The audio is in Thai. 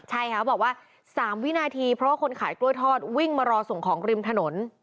ใช่ค่ะเขาบอกว่า๓วินาทีเพราะว่าคนขายกล้วยทอดวิ่งมารอส่งของริมถนน